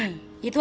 dan sukses terus